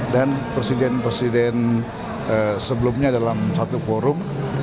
dan presiden presiden sebelumnya dalam satu forum